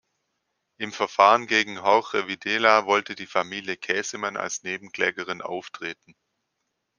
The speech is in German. Im Verfahren gegen Jorge Videla wollte die Familie Käsemann als Nebenklägerin auftreten.